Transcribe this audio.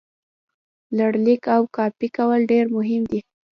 لړلیک او کاپي کول ډېر مهم دي.